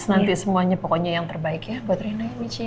nanti semuanya pokoknya yang terbaik ya buat reina dan michi ya